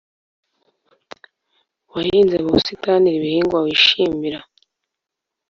Wahinze mu busitani ibihingwa wishimira,